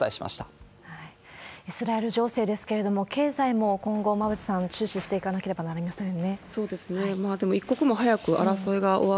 イスラエル情勢ですけれども、経済も今後、馬渕さん、注視していかなければなりませんね。